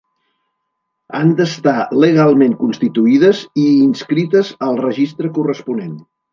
Han d'estar legalment constituïdes i inscrites al registre corresponent.